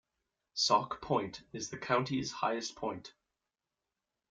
Sauk Point is the county's highest point.